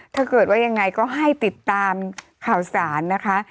ถ้าเกิดว่ายังไงก็ให้ติดตามข่าวสารนะคะ